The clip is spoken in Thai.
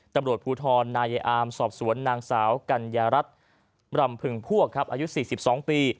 ตำรวจภูทรนายอามสอบสวนนางสาวกัญญารัฐรำพึงพวกครับอายุ๔๒ปี